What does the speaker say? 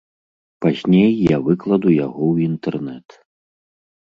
Пазней я выкладу яго ў інтэрнэт.